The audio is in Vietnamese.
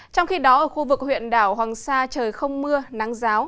trong khi đó ở khu vực huyện đảo hoàng sa trời không mưa nắng giáo